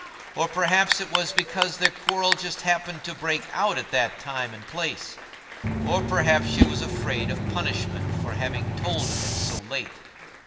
Or perhaps it was because their quarrel just happened to break out at that time and place; or perhaps she was afraid of punishment for having told of it so late.